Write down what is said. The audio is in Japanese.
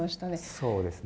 そうですね。